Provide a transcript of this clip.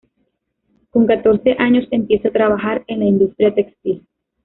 Con catorce años empieza a trabajar en la industria textil.